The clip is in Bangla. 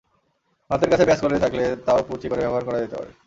হাতের কাছে পেঁয়াজকলি থাকলে তা-ও কুচি করে ব্যবহার করা যেতে পারে।